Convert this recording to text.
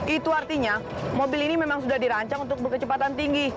itu artinya mobil ini memang sudah dirancang untuk berkecepatan tinggi